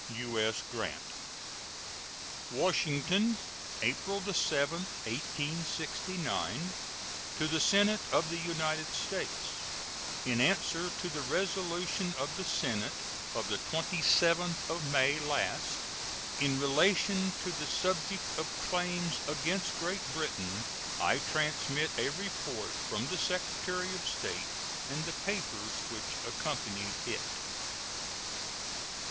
U.S. GRANT. WASHINGTON, April 7, 1869. To the Senate of the United States: In answer to the resolution of the Senate of the 27th of May last, in relation to the subject of claims against Great Britain, I transmit a report from the Secretary of State and the papers which accompanied it.